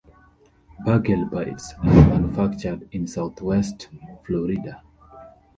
Bagel Bites are manufactured in Southwest Florida.